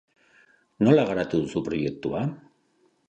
Nola garatu duzu proiektua?